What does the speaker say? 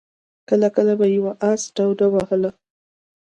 کله کله به يوه آس ټوډه ووهله.